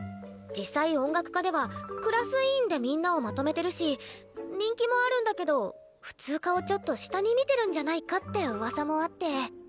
実際音楽科ではクラス委員でみんなをまとめてるし人気もあるんだけど普通科をちょっと下に見てるんじゃないかってうわさもあって。